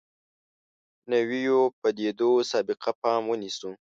نویو پدیدو سابقه پام ونیسو.